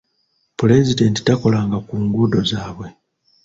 Pulezidenti takolanga ku nguudo zaabwe.